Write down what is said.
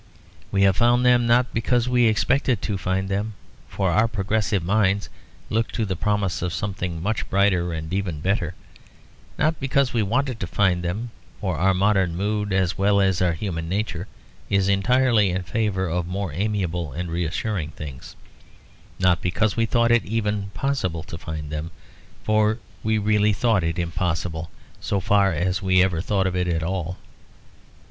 We have found them not because we expected to find them, for our progressive minds look to the promise of something much brighter and even better; not because we wanted to find them, for our modern mood, as well as our human nature, is entirely in favour of more amiable and reassuring things; not because we thought it even possible to find them, for we really thought it impossible so far as we ever thought of it at all.